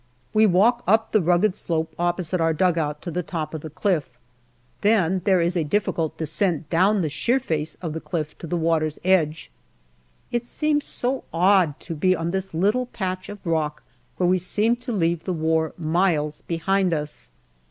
We walk up the rugged slope opposite our dugout to the top of the cliff. Then there is a difficult SEPTEMBER 229 descent down the sheer face of the cliff to the water's edge. It seems so odd, to be on this little patch of rock where we seem to leave the war miles behind us.